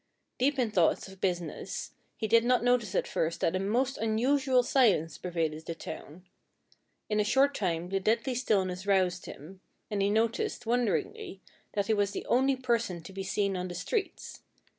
Deep in thoughts of business, he did not notice at first that a most unusual silence pervaded the town. In a short time the deadly stillness roused him, and he noticed, wonderingly, that he was the only person to be seen on the streets.